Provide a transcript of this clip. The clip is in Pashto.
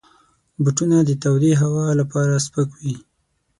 بوټونه د تودې هوا لپاره سپک وي.